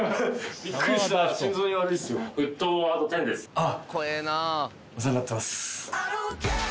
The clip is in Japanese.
あっ！